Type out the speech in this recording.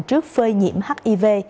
trước phơi nhiễm hiv